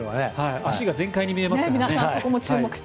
足が全開に見えますから。